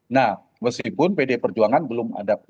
nah meskipun pd perjuangan belum ada